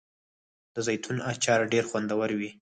د زیتون اچار ډیر خوندور وي.